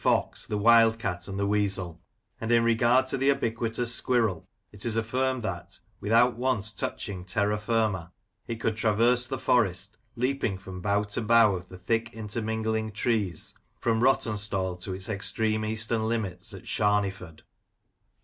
fox, the wild cat and the weasel ; and in regard to the ubiquitous squirrel, it is affirmed that, without once touching terra firmay it could traverse the Forest, leaping from bough to bough of the thick intermingling trees, from Rawtenstalllto its extreme eastern limits at Sharneyford.